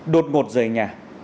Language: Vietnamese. đột ngột rời nhà